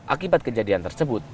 akibat kejadian tersebut